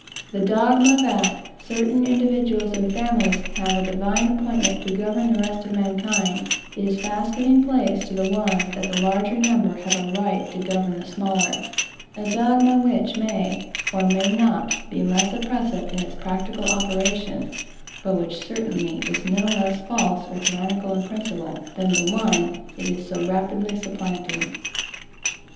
The dogma, that certain individuals and families have a divine appointment to govern the rest of mankind, is fast giving place to the one that the larger number have a right to govern the smaller; a dogma, which may, or may not, be less oppressive in its practical operation, but which certainly is no less false or tyrannical in principle, than the one it is so rapidly supplanting.